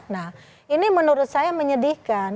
nah ini menurut saya menyedihkan